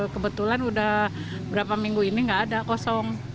kebetulan udah berapa minggu ini nggak ada kosong